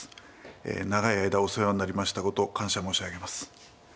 長い間お世話になりましたことを感謝申し上げます。